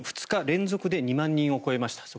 ２日連続で２万人を超えました。